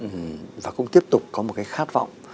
mình cũng tiếp tục có một cái khát vọng